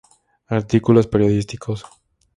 Artículos periodísticos